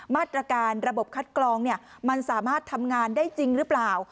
มาตรการระบบคัดกรองมันสามารถทำงานได้จริงหรือเปล่า